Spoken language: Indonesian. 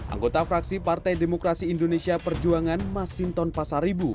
anggota fraksi partai demokrasi indonesia perjuangan masinton pasaribu